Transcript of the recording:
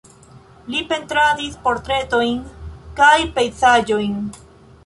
Li pentradis portretojn kaj pejzaĝojn.